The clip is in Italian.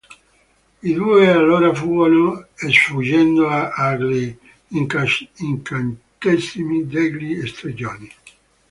I due allora fuggono, sfuggendo agli incantesimi degli stregoni.